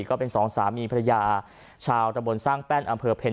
ก็เป็นสองสามีภรรยาชาวตะบนสร้างแป้นอำเภอเพ็ญ